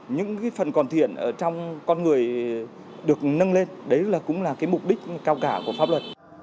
những phần còn thiện ở trong con người được nâng lên đấy là cũng là cái mục đích cao cả của pháp luật